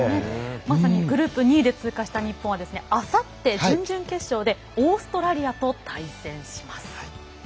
まさにグループ２位で通過した日本はあさって準々決勝でオーストラリアと対戦します。